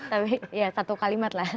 tapi ya satu kalimat lah